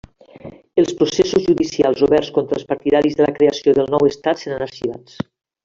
Els processos judicials oberts contra els partidaris de la creació del nou estat seran arxivats.